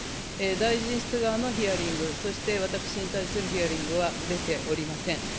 大臣室側のヒアリング、そして私に対するヒアリングは出ておりません。